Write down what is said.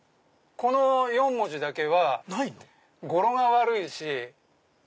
この４文字だけは語呂が悪いし。